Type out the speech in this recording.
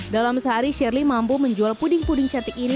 dalam sehari shirley mampu menjual puding puding cantik ini